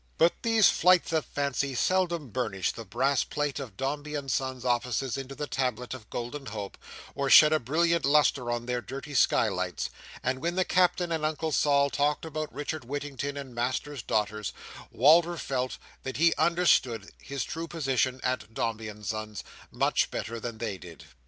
But these flights of fancy seldom burnished the brass plate of Dombey and Son's Offices into a tablet of golden hope, or shed a brilliant lustre on their dirty skylights; and when the Captain and Uncle Sol talked about Richard Whittington and masters' daughters, Walter felt that he understood his true position at Dombey and Son's, much better than they did.